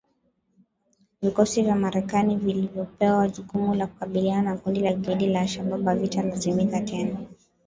Vikosi vya Marekani vilivyopewa jukumu la kukabiliana na kundi la kigaidi la al-Shabab havitalazimika tena